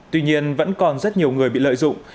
tuy nhiên vẫn còn rất nhiều người bị lợi dụng